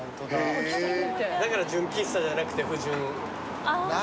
だから純喫茶じゃなくて不純喫茶っていう。